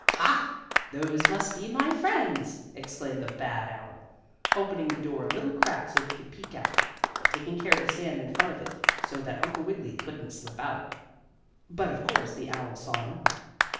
"Ha! Those must be my friends!" exclaimed the bad owl, opening the door a little crack so he could peek out, but taking care to stand in front of it, so that Uncle Wiggily couldn't slip out. But, of course, the owl saw no one.